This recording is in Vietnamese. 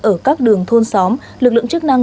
ở các đường thôn xóm lực lượng chức năng